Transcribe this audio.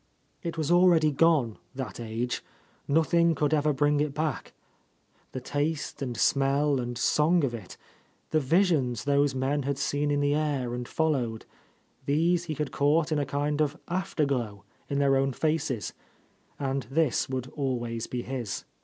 It was already gone, that age ; nothing could ever bring it back. The taste and smell and song of it, the visions those men had seen in the air and followed, — these he had caught in a kind of after glow in their own faces, — and this would always be his.